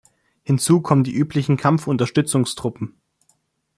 Hinzu kommen die üblichen Kampfunterstützungstruppen.